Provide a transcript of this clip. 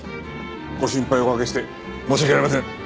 ご心配おかけして申し訳ありません！